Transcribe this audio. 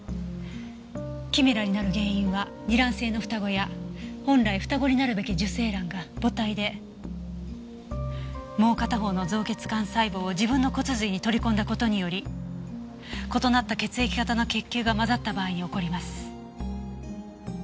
キメラになる原因は二卵性の双子や本来双子になるべき受精卵が母体でもう片方の造血幹細胞を自分の骨髄に取り込んだ事により異なった血液型の血球が混ざった場合に起こります。